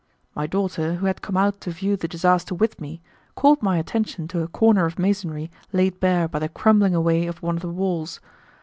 My daughter, who had come out to view the disaster with me, called my attention to a corner of masonry laid bare by the crumbling away of one of the walls.